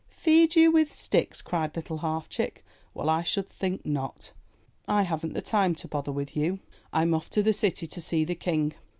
'Teed you with sticks!" cried Little Half Chick. "Well, I should think not! I haven't the time 307 MY BOOK HOUSE to bother with you! rm off to the city to see the King!"